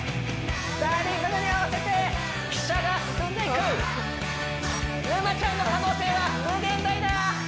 さあリズムに合わせて汽車が進んでいく沼ちゃんの可能性は無限大だ！